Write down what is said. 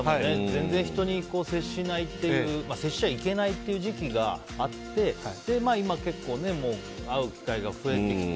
全然、人に接しないという接しちゃいけない時期があって今、結構もう、会う機会が増えてきて。